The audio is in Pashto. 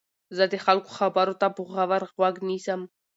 زه د خلکو خبرو ته په غور غوږ نیسم.